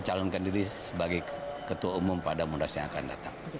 berikan diri sebagai ketua umum pada mudahnya akan datang